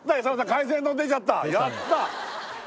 海鮮丼出ちゃったやった！